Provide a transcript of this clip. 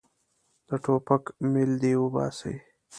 د ټوپک میل دې وباسي.